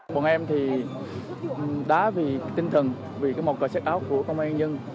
bọn em thì đá vì tinh thần vì cái màu cờ xét áo của công an nhân